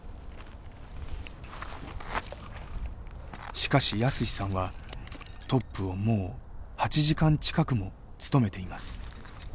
しかし泰史さんはトップをもう８時間近くも務めています。